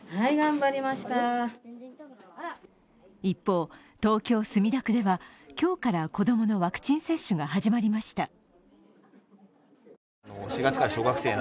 一方、東京・墨田区では今日から子供のワクチン接種が始まりました。